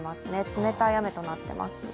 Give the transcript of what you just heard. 冷たい雨となっています。